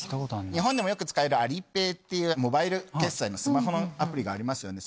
日本でもよく使えるアリペイっていうモバイル決済のスマホのアプリがありますよね。